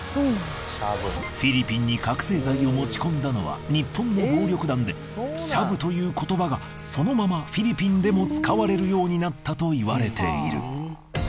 フィリピンに覚せい剤を持ち込んだのは日本の暴力団でシャブという言葉がそのままフィリピンでも使われるようになったといわれている。